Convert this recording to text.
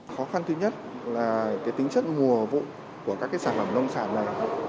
khó khăn thứ nhất là tính chất mùa vụ của các sản phẩm nông sản này